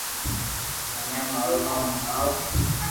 مني مارو نوم ھڻاو